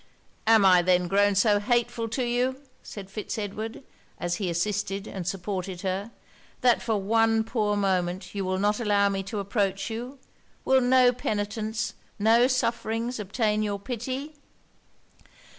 'Am I then grown so hateful to you,' said Fitz Edward, as he assisted and supported her 'that for one poor moment you will not allow me to approach you. Will no penitence, no sufferings obtain your pity?'